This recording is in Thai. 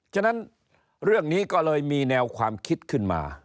ฉะนั้นเรื่องนี้ก็เลยมีแนวความคิดขึ้นมา